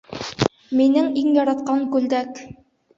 Минең иң яратҡан күлдәк.